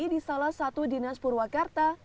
di salah satu dinas purwakarta